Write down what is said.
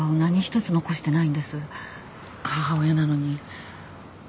母親なのに。